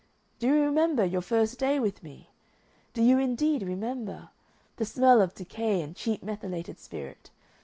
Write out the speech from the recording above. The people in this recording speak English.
Do you remember your first day with me?... Do you indeed remember? The smell of decay and cheap methylated spirit!...